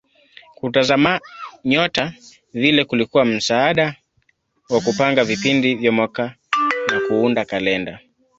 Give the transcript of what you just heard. Kutazama nyota vile kulikuwa msaada wa kupanga vipindi vya mwaka na kuunda kalenda.